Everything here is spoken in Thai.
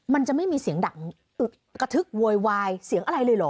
มันจะไม่มีเสียงดังอึดกระทึกโวยวายเสียงอะไรเลยเหรอ